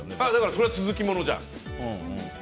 それは続きものじゃん。